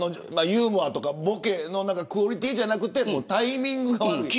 ユーモアやボケのクオリティーじゃなくてタイミングが悪い。